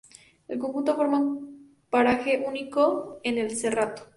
El conjunto forma un paraje único en El Cerrato.